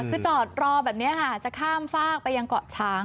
คือจอดรอแบบนี้ค่ะจะข้ามฝากไปยังเกาะช้าง